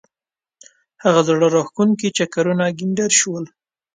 هغه زړه راکښونکي چکرونه ګنډېر شول.